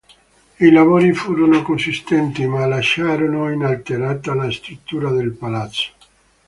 I lavori furono consistenti, ma lasciarono inalterata la struttura del Palazzo.